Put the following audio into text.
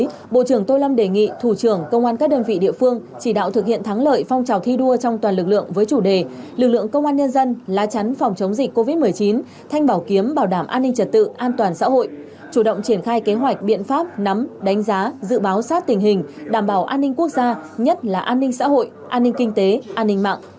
trong thời gian tới bộ trưởng tô lâm đề nghị thủ trưởng công an các đơn vị địa phương chỉ đạo thực hiện thắng lợi phong trào thi đua trong toàn lực lượng với chủ đề lực lượng công an nhân dân lá chắn phòng chống dịch covid một mươi chín thanh bảo kiếm bảo đảm an ninh trật tự an toàn xã hội chủ động triển khai kế hoạch biện pháp nắm đánh giá dự báo sát tình hình đảm bảo an ninh quốc gia nhất là an ninh xã hội an ninh kinh tế an ninh mạng